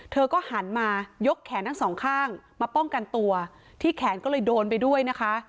เธอก็หันมายกแขนทั้งสองข้างมาป้องกันตัวที่แขนก็เลยโดนไปด้วยนะคะ